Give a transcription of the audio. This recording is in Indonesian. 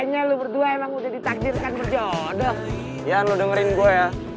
gue tau nama panjangnya